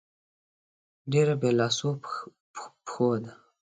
ډېره بې لاسو پښو ده.